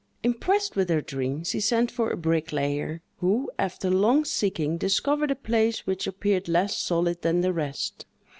Impressed with her dream, she sent for a bricklayer, who, after long seeking, discovered a place which appeared less solid than the rest.